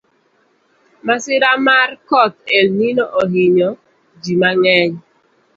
Masira mar koth elnino ohinyo ji mang’eny